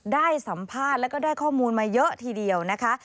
ได้สัมภาษณ์แล้วก็ได้ข้อมูลมาเยอะทีเดียวนะคะ